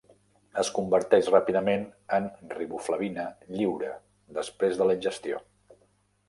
Es converteix ràpidament en riboflavina lliure després de la ingestió.